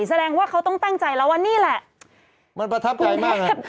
แสดงว่าเขาต้องตั้งใจแล้วว่านี่แหละมันประทับใจมากเลย